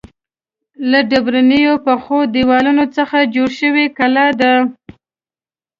له ډبرینو پخو دیوالونو څخه جوړه شوې کلا ده.